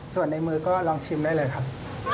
ส่วนในมือก็ลองชิมได้เลยครับ